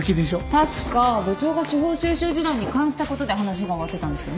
確か部長が司法修習時代に感じたことで話が終わってたんですよね。